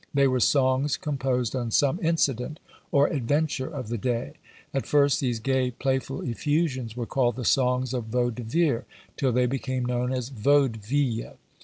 They were songs composed on some incident or adventure of the day. At first these gay playful effusions were called the songs of Vau de Vire, till they became known as Vaudevilles.